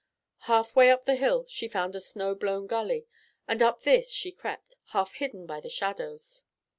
Half way up the hill she found a snow blown gully, and up this she crept, half hidden by the shadows.